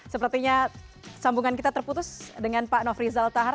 sepertinya sambungan kita terputus dengan pak nofrizal tahar